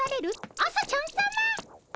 朝ちゃんさま。